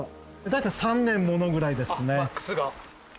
大体３年ものぐらいですね。